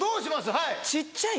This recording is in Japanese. はい。